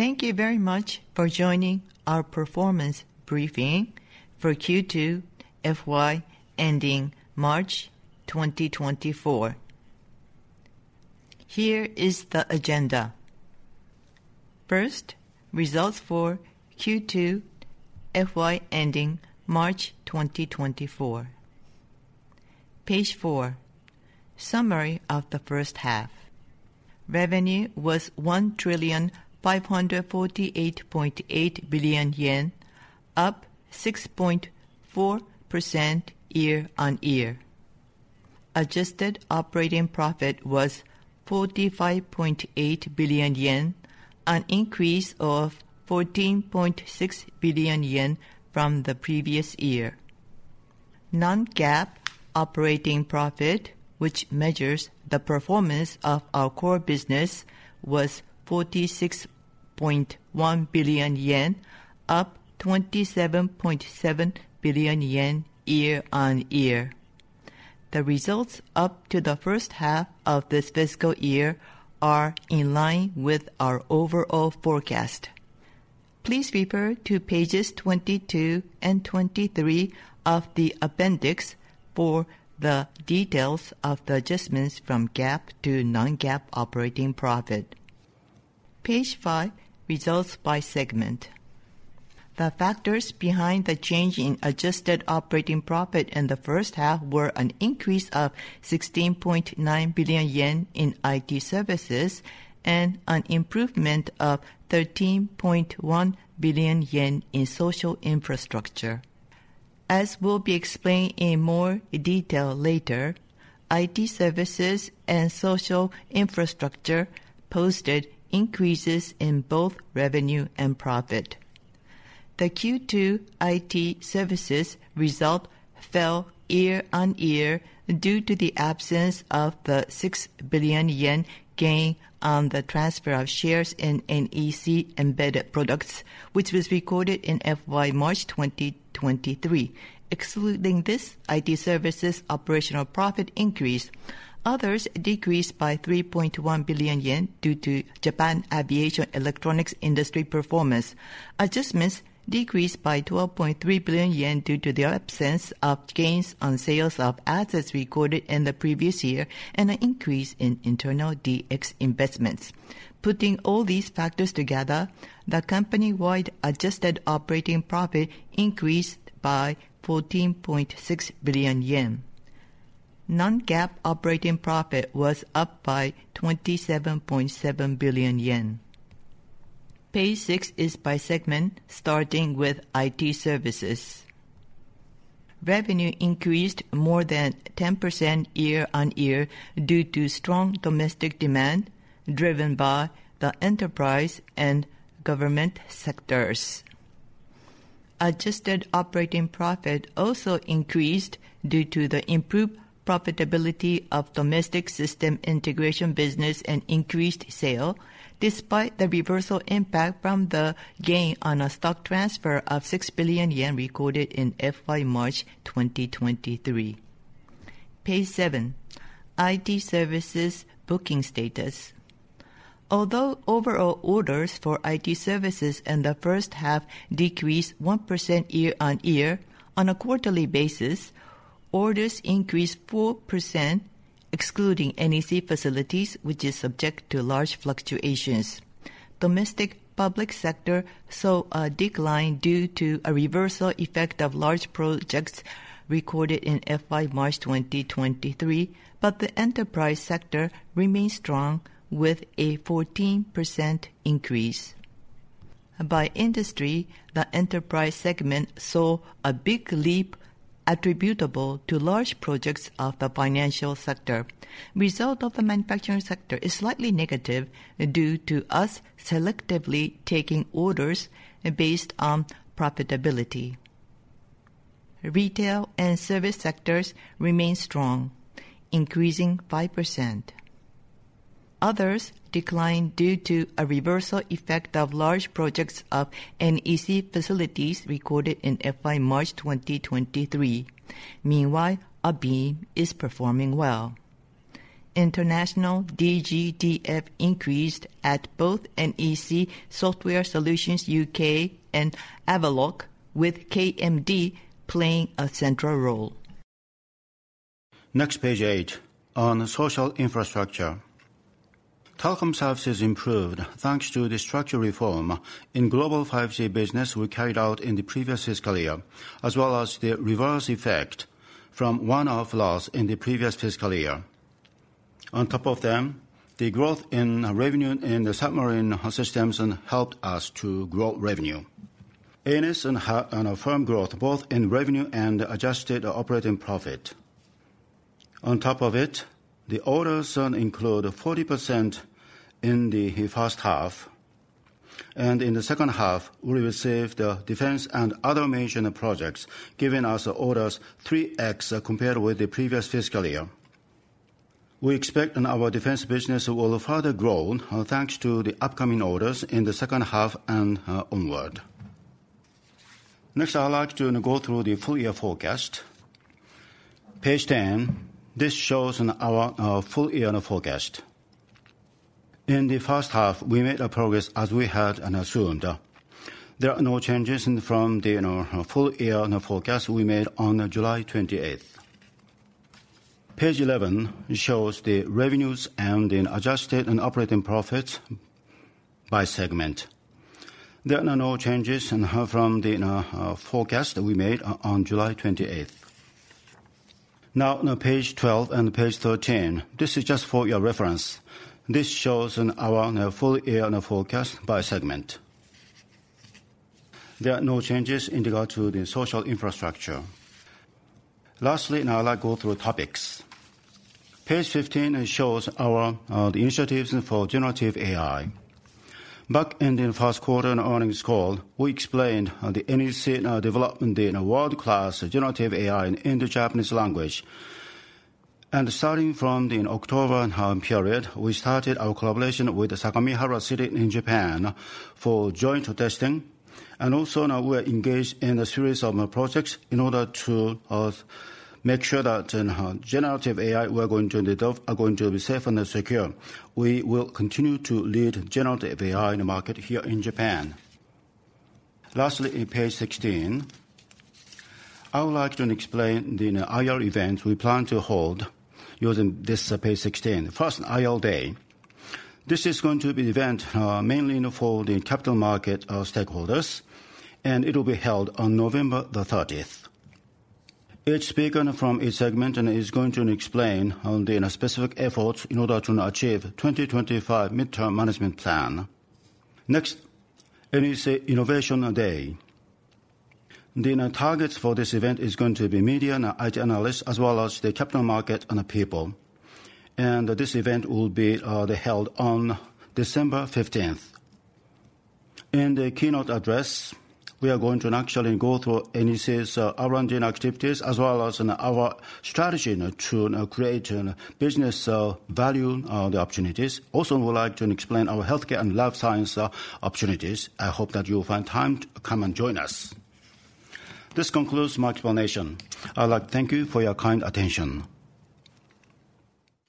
Thank you very much for joining our performance briefing for Q2 FY ending March 2024. Here is the agenda. First, results for Q2 FY ending March 2024. Page four, summary of the first half. Revenue was JPY 1,548.8 billion, up 6.4% year-on-year. Adjusted operating profit was 45.8 billion yen, an increase of 14.6 billion yen from the previous year. Non-GAAP operating profit, which measures the performance of our core business, was 46.1 billion yen, up 27.7 billion yen year-on-year. The results up to the first half of this fiscal year are in line with our overall forecast. Please refer to pages 22 and 23 of the appendix for the details of the adjustments from GAAP to non-GAAP operating profit. Page five, results by segment. The factors behind the change in Adjusted Operating Profit in the first half were an increase of 16.9 billion yen in IT Services, and an improvement of 13.1 billion yen in Social Infrastructure. As will be explained in more detail later, IT Services and Social Infrastructure posted increases in both revenue and profit. The Q2 IT Services result fell year-on-year due to the absence of the 6 billion yen gain on the transfer of shares in NEC Embedded Products, which was recorded in FY March 2023. Excluding this, IT Services operational profit increased. Others decreased by 3.1 billion yen due to Japan Aviation Electronics Industry performance. Adjustments decreased by 12.3 billion yen due to the absence of gains on sales of assets recorded in the previous year, and an increase in internal DX investments. Putting all these factors together, the company-wide adjusted operating profit increased by 14.6 billion yen. Non-GAAP operating profit was up by 27.7 billion yen. Page six is by segment, starting with IT Services. Revenue increased more than 10% year-on-year due to strong domestic demand, driven by the enterprise and government sectors. Adjusted operating profit also increased due to the improved profitability of domestic system integration business and increased sales, despite the reversal impact from the gain on a stock transfer of six billion yen recorded in FY March 2023. Page seven, IT Services booking status. Although overall orders for IT Services in the first half decreased 1% year-on-year, on a quarterly basis, orders increased 4%, excluding NEC Facilities, which is subject to large fluctuantions. Domestic public sector saw a decline due to a reversal effect of large projects recorded in FY March 2023, but the enterprise sector remains strong, with a 14% increase. By industry, the enterprise segment saw a big leap attributable to large projects of the financial sector. Result of the manufacturing sector is slightly negative due to us selectively taking orders based on profitability. Retail and service sectors remain strong, increasing 5%. Others declined due to a reversal effect of large projects of NEC Facilities recorded in FY March 2023. Meanwhile, ABeam is performing well. International DGDF increased at both NEC Software Solutions UK and Avaloq, with KMD playing a central role. Next, page eight, on Social Infrastructure. Telecom Services improved, thanks to the structural reform in global 5G business we carried out in the previous fiscal year, as well as the reverse effect from one-off loss in the previous fiscal year. On top of them, the growth in revenue in the submarine systems helped us to grow revenue. ANS had a firm growth, both in revenue and adjusted operating profit. On top of it, the orders include 40% in the first half, and in the second half, we received the defense and other major projects, giving us orders 3x compared with the previous fiscal year. We expect that our defense business will further grow, thanks to the upcoming orders in the second half and onward. Next, I would like to, you know, go through the full year forecast. Page 10, this shows our full year forecast. In the first half, we made a progress as we had and assumed. There are no changes from the, you know, full year forecast we made on July 28th. Page 11 shows the revenues and the adjusted and operating profits by segment. There are no changes from the forecast that we made on July 28th. Now, on page 12 and page 13, this is just for your reference. This shows in our full year forecast by segment. There are no changes in regard to the Social Infrastructure. Lastly, now I'd like to go through topics. Page 15, it shows our the initiatives for generative AI. Back in the first quarter earnings call, we explained the NEC development in a world-class generative AI in the Japanese language. Starting from the October period, we started our collaboration with the Sagamihara City in Japan for joint testing, and also now we are engaged in a series of projects in order to make sure that generative AI we are going to develop are going to be safe and secure. We will continue to lead generative AI in the market here in Japan. Lastly, on page 16, I would like to explain the IR event we plan to hold using this page 16. First, IR Day. This is going to be event mainly for the capital market stakeholders, and it will be held on November 30th. Each speaker from each segment and is going to explain on the specific efforts in order to achieve 2025 midterm management plan. Next, NEC Innovation Day. The targets for this event is going to be media and IT analysts, as well as the capital market and the people. And this event will be held on December fifteenth. In the keynote address, we are going to actually go through NEC's R&D activities, as well as our strategy to create business value, the opportunities. Also, I would like to explain our healthcare and life science opportunities. I hope that you will find time to come and join us. This concludes my explanation. I would like to thank you for your kind attention.